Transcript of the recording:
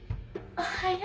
おはよう！